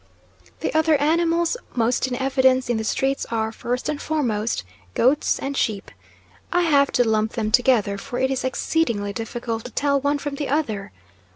The other animals most in evidence in the streets are, first and foremost, goats and sheep. I have to lump them together, for it is exceedingly difficult to tell one from the other.